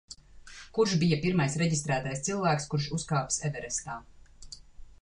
Kurš bija pirmais reģistrētais cilvēks, kurs uzkāpis Everestā.